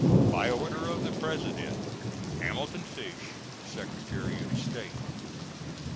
By order of the President: HAMILTON FISH, Secretary of State.